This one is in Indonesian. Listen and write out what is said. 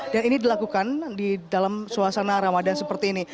dan ini dilakukan di dalam suasana ramadan seperti ini